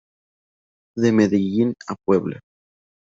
De Medellín a Puebla.